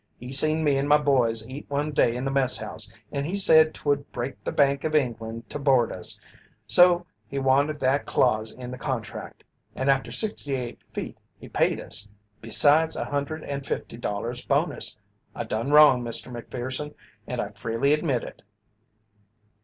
He seen me and my boys eat one day in the mess house and he said 'twould break the Bank of England to board us, so he wanted that clause in the contract, and after sixty eight feet he paid us, besides a hundred and fifty dollars bonus. I done wrong, Mr. Macpherson, and I freely admit it!"